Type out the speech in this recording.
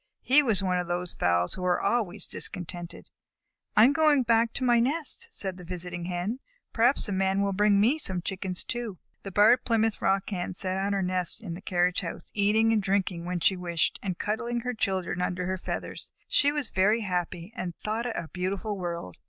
He was one of those fowls who are always discontented. "I am going back to my nest," said the visiting Hen. "Perhaps the Man will bring me some Chickens too." The Barred Plymouth Rock Hen sat on her nest in the carriage house, eating and drinking when she wished, and cuddling her children under her feathers. She was very happy, and thought it a beautiful world.